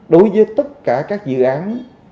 đối với tất cả các dự án